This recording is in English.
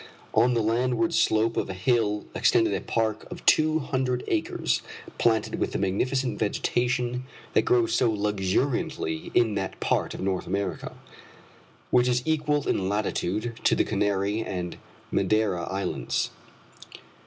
On the landward slope of a hill extended a park of two hundred acres planted with the magnificent vegetation that grows so luxuriantly in that part of North America, which is equal in latitude to the Canary and Madeira Islands.